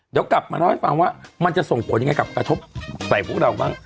เดี๋ยวกลับมาเล่าให้ฟังว่ามันจะส่งผลยังไงกับกระทบใส่พวกเราบ้าง